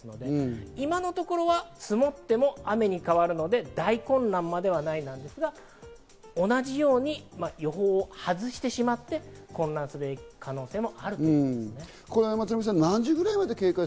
今のところは積もっても雨に変わるので大混乱まではない予想ですが、同じように予報を外してしまって、混乱する可能性もあるというわけです。